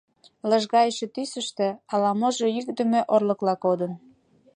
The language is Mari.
Лыжгайыше тӱсыштӧ Ала-можо йӱкдымӧ орлыкла кодын.